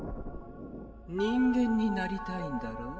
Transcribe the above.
人間になりたいんだろう？